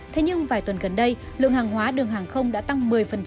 thế nhưng vài tuần gần đây lượng hàng hóa đường hàng không đã tăng một mươi